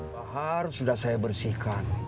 bahar sudah saya bersihkan